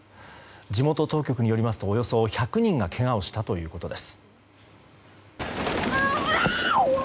地元当局によりますとおよそ１００人がけがをしたということです。